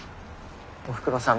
おふくろさん